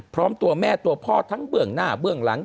พร้อมตัวแม่ตัวพ่อทั้งเบื้องหน้าเบื้องหลัง